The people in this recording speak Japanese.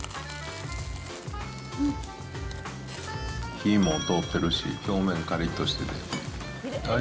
火も通ってるし、表面かりっとしてる。